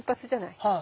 はい。